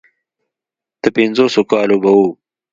د پينځوسو کالو به و.